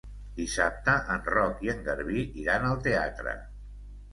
Dissabte en Roc i en Garbí iran al teatre.